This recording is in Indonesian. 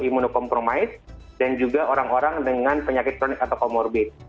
imunokompromis dan juga orang orang dengan penyakit kronik atau comorbid